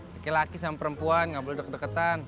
laki laki sama perempuan nggak boleh deket deketan